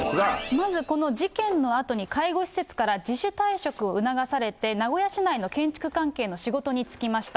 まずこの事件のあとに介護施設から自主退職を促されて、名古屋市内の建築関係の仕事に就きました。